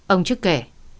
ông trước kể